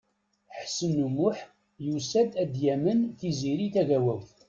Ḥsen U Muḥ yusa-d ad yamen Tiziri Tagawawt.